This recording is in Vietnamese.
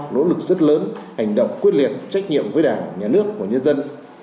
nỗ lực rất lớn hành động quyết liệt trách nhiệm với đảng nhà nước của nhân dân